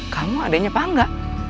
kamu adanya pak angga